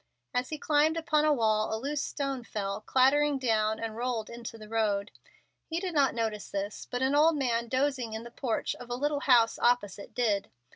As he climbed upon the wall a loose stone fell clattering down and rolled into the road. He did not notice this, but an old man dozing in the porch of a little house opposite did.